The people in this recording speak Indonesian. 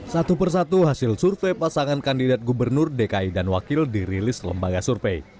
satu persatu hasil survei pasangan kandidat gubernur dki dan wakil dirilis lembaga survei